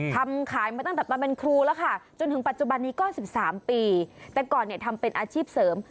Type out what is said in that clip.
ทำขายมาตั้งแต่ตอนเป็นครูแล้วค่ะจนถึงปัจจุบันนี้ก็๑๓ปีแต่ก่อนเนี่ยทำเป็นอาชีพเสริม